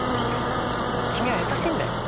君は優しいんだよ。